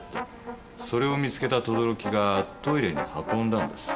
それを見つけた等々力がトイレに運んだんです。